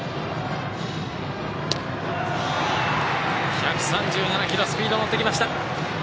１３７キロスピード乗ってきました。